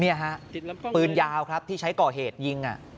นี่ฮะปืนยาวครับที่ใช้ก่อเหตุยิง